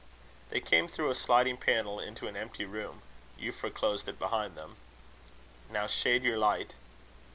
They came through a sliding panel into an empty room. Euphra closed it behind them. "Now shade your light."